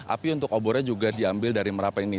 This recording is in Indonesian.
api untuk obornya juga diambil dari merapen ini